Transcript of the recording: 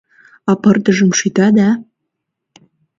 — А пырдыжым шӱта да...?